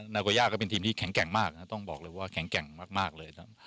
นาโกย่าก็เป็นทีมที่แข็งแกร่งมากนะต้องบอกเลยว่าแข็งแกร่งมากเลยครับ